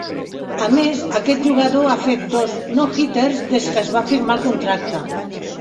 A més, aquest jugador a fet dos "no-hitters" des que es va firmar el contracte.